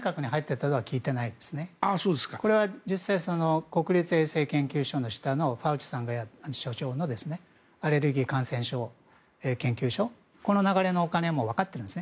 これは実際国立衛生研究所の下のファウチさんが所長のアレルギー感染症研究所のお金の流れも分かってるんです。